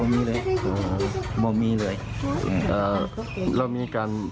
ไม่มีเลยเล่ามีเลย